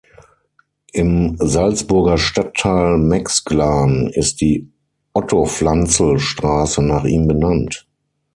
Im Salzburger Stadtteil Maxglan ist die Otto-Pflanzl-Straße nach ihm benannt.